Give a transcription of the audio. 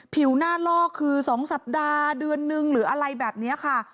ผิวหน้าลอกคือ๒สัปดาห์เดือนนึงหรืออะไรแบบนี้ค่ะ